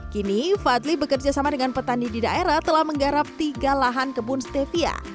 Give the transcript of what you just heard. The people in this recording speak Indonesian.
kini fadli bekerja sama dengan petani di daerah telah menggarap tiga lahan kebun stevia